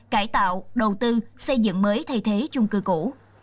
cải tạo đầu tư xây dựng mới thay thế chung cư cũ